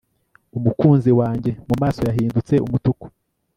umukunzi wanjye mumaso yahindutse umutuku